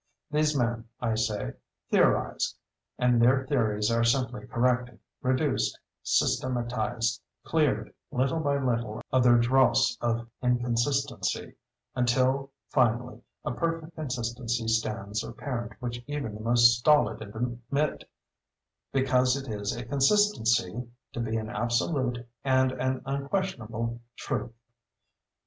These men, I say, theorize; and their theories are simply corrected, reduced, systematized—cleared, little by little, of their dross of inconsistency—until, finally, a perfect consistency stands apparent which even the most stolid admit, because it is a consistency, to be an absolute and an unquestionable truth.